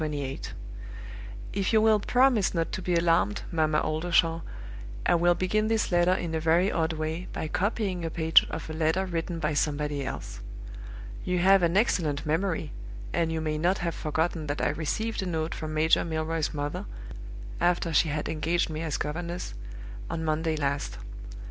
"If you will promise not to be alarmed, Mamma Oldershaw, I will begin this letter in a very odd way, by copying a page of a letter written by somebody else. You have an excellent memory, and you may not have forgotten that I received a note from Major Milroy's mother (after she had engaged me as governess) on Monday last.